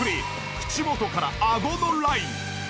口元からあごのライン。